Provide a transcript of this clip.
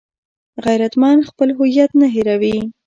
غیرتمند خپل هویت نه هېروي